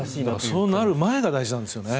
そうなる前が大事なんですよね。